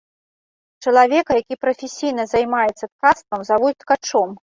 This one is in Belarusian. Чалавека, які прафесійна займаецца ткацтвам, завуць ткачом.